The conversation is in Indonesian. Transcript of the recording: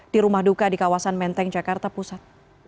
di rumah duka di kawasan menteng jakarta pusat